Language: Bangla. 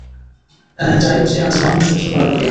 যায় বুঝি আজ বামলসুদ্ধ ধরা পড়িয়া!